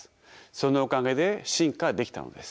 そのおかげで進化できたのです。